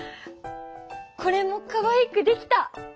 これもかわいく出来た！